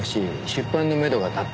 出版のめどが立った」